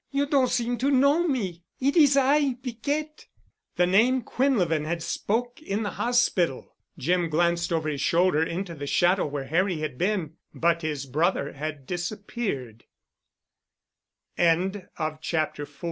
"You don seem to know me. It is I—Piquette." The name Quinlevin had spoke in the hospital! Jim glanced over his shoulder into the shadow where Harry had been, but his brother had disapp